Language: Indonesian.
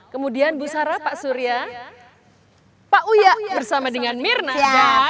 kemudian bu sara pak surya pak uya bersama dengan mirna dan